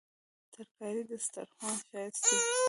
ترکاري د سترخوان ښايست دی